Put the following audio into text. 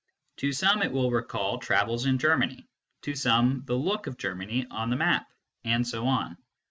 To some it will recall travels in Germany, to some the look of Germany on the map, and so on.